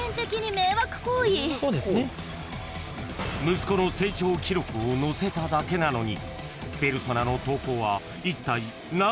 ［息子の成長記録を載せただけなのに］